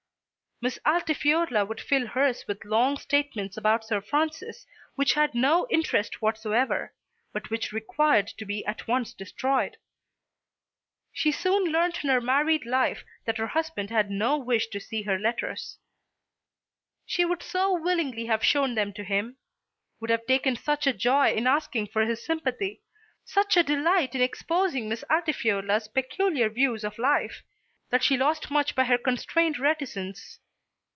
Miss Altifiorla would fill hers with long statements about Sir Francis which had no interest whatsoever, but which required to be at once destroyed. She soon learnt in her married life that her husband had no wish to see her letters. She would so willingly have shown them to him, would have taken such a joy in asking for his sympathy, such a delight in exposing Miss Altifiorla's peculiar views of life, that she lost much by her constrained reticence.